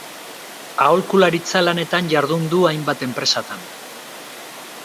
Aholkularitza lanetan jardun du hainbat enpresatan.